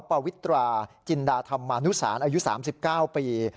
ปวิตราจินดาธรรมานุสารอายุ๓๙ปี